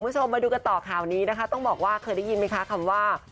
คุณผู้ชมมาดูกันต่อข่าวนี้นะคะต้องบอกว่าเคยได้ยินไหมคะคำว่า